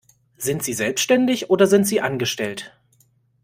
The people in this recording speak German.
Sind sie selbstständig oder sind sie Angestellt?